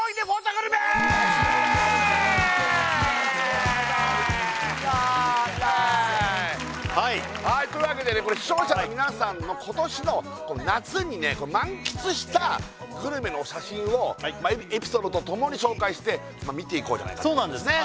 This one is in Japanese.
やったやったはいはいというわけで視聴者の皆さんの今年の夏に満喫したグルメの写真をエピソードとともに紹介して見ていこうじゃないかというそうなんですね